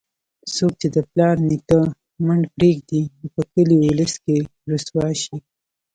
څوک چې د پلار نیکه منډ پرېږدي، نو په کلي اولس کې رسوا شي.